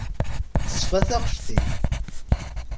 Teṣfa taɣect-im.